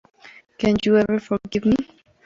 Can You Ever Forgive Me?